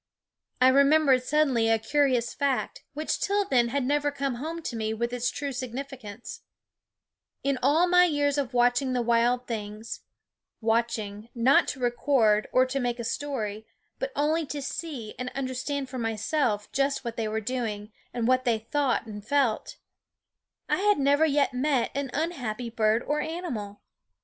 I remembered suddenly a curious fact, which till then had never come home to me with its true significance : in all my years of watching the wild things watching, not to record, or to make a story, but only to see and understand for myself just what they were doing, and what they thought and felt I had never yet met an unhappy bird or animal.